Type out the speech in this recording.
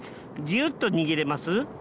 ギューッと握れます？